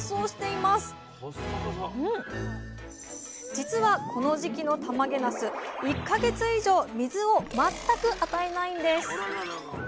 じつはこの時期のたまげなす１か月以上水を全く与えないんです。